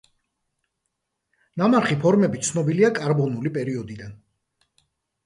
ნამარხი ფორმები ცნობილია კარბონული პერიოდიდან.